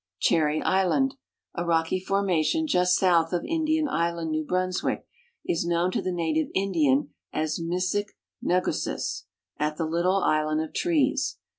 Cherry island, a rocky formation just south of Indian island. New P.runs wick, is known to the native Indian as Misik nt^gusis, "at the little island of trees."